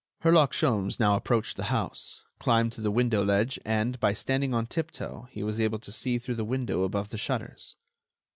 Herlock Sholmes now approached the house, climbed to the window ledge and, by standing on tiptoe, he was able to see through the window above the shutters.